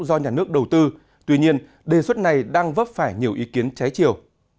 do nhà nước đầu tư tuy nhiên đề xuất này đang vấp phải nhiều ý kiến trái chiều